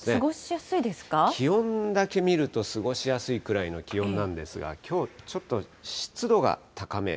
気温だけ見ると、過ごしやすいくらいの気温なんですが、きょうちょっと、湿度が高め。